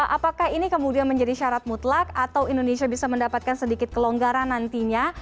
apakah ini kemudian menjadi syarat mutlak atau indonesia bisa mendapatkan sedikit kelonggaran nantinya